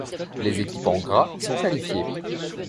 Les équipes en gras sont qualifiées.